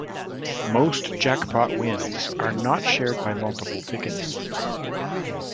Most jackpot wins are not shared by multiple tickets.